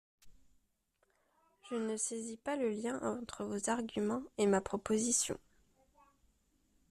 Je ne saisis pas le lien entre vos arguments et ma proposition.